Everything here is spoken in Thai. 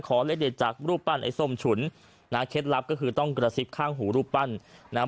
เลขเด็ดจากรูปปั้นไอ้ส้มฉุนนะเคล็ดลับก็คือต้องกระซิบข้างหูรูปปั้นนะฮะ